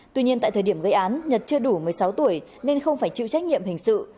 tuy nhiên tại thời điểm gây án nhật chưa đủ một mươi sáu tuổi nên không phải chịu trách nhiệm hình sự